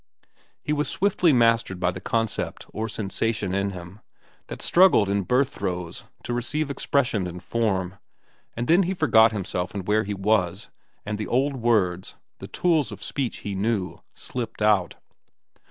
He was swiftly mastered by the concept or sensation in him that struggled in birth throes to receive expression and form, and then he forgot himself and where he was, and the old words—the tools of speech he knew—slipped out.